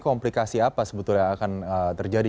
komplikasi apa sebetulnya akan terjadi